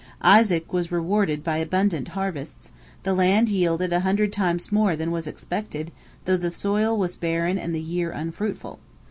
Isaac was rewarded by abundant harvests; the land yielded a hundred times more than was expected, though the soil was barren and the year unfruitful.